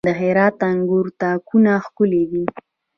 د هرات د انګورو تاکونه ښکلي دي.